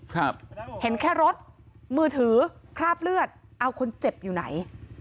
ครับเห็นแค่รถมือถือคราบเลือดเอาคนเจ็บอยู่ไหน